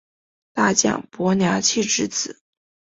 大将柏良器之子。